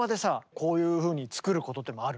こういうふうに作ることもある？